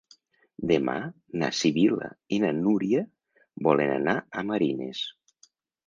Demà na Sibil·la i na Núria volen anar a Marines.